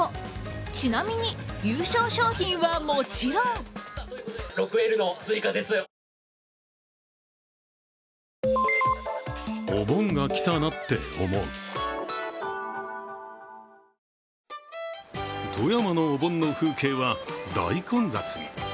ちなみに、優勝賞品はもちろん富山のお盆の風景は大混雑に。